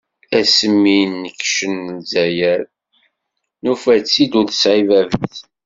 Ass mi d-nekcen Lezzayer, nufa-tt-id ur tesɛi bab-is.